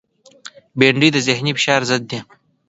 بېنډۍ د ذهنی فشار ضد ده